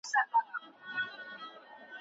هر ډول ورزش د عمر اوږدولو لپاره کافي نه دی.